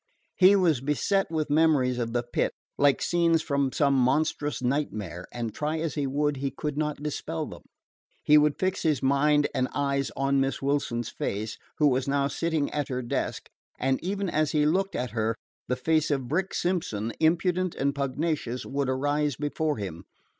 He was beset with memories of the Pit, like scenes from some monstrous nightmare, and, try as he would, he could not dispel them. He would fix his mind and eyes on Miss Wilson's face, who was now sitting at her desk, and even as he looked at her the face of Brick Simpson, impudent and pugnacious, would arise before him.